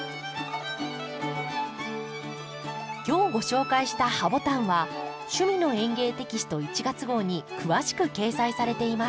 今日ご紹介した「ハボタン」は「趣味の園芸」テキスト１月号に詳しく掲載されています。